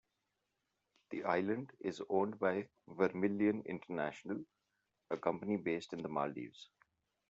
The island is owned by Vermilion International, a company based in the Maldives.